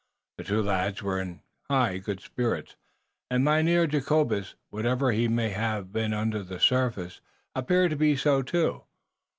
The two lads were in high good spirits, and Mynheer Jacobus, whatever he may have been under the surface, appeared to be so, too.